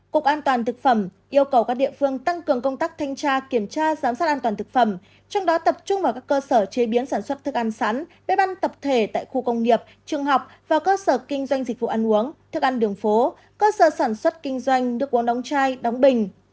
cục an toàn thực phẩm yêu cầu các địa phương tăng cường công tác thanh tra kiểm tra giám sát an toàn thực phẩm trong đó tập trung vào các cơ sở chế biến sản xuất thức ăn sắn bếp ăn tập thể tại khu công nghiệp trường học và cơ sở kinh doanh dịch vụ ăn uống thức ăn đường phố cơ sở sản xuất kinh doanh nước uống đóng chai đóng bình